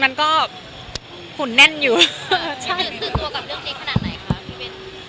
ไหนเป็นตื่นตัวกับเรื่องนี้ขนาดไหนคะ